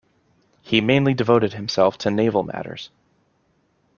He mainly devoted himself to naval matters.